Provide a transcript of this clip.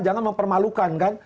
jangan mempermalukan kan